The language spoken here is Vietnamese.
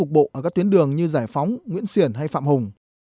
bộ ở các tuyến đường như giải phóng nguyễn xiển hay phạm hùng